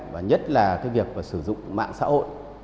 và nhất là việc sử dụng mạng xã hội